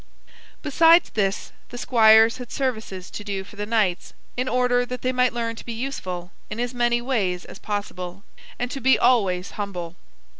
Besides this, the squires had services to do for the knights, in order that they might learn to be useful in as many ways as possible, and to be always humble.